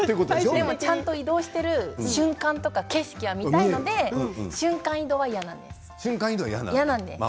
でもちゃんと移動している瞬間の景色は見たいので瞬間移動は嫌なんです。